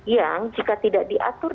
yang jika tidak diatur